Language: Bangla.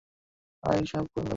আয়, আমি সব খুলে বলছি।